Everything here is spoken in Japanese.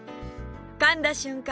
噛んだ瞬間